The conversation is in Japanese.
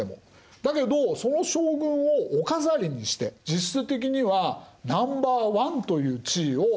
だけどその将軍をお飾りにして実質的にはナンバーワンという地位を不動のものにしたんです。